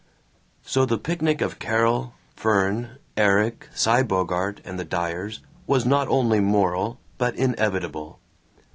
So the picnic of Carol, Fern, Erik, Cy Bogart, and the Dyers was not only moral but inevitable.